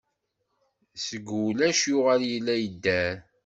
Seg ulac yuɣal yella, yedder.